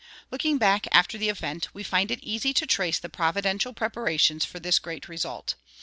Looking back after the event, we find it easy to trace the providential preparations for this great result.